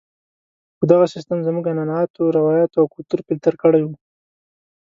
خو دغه سیستم زموږ عنعناتو، روایاتو او کلتور فلتر کړی وو.